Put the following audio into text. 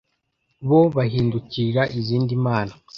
bo bahindukirira izindi mana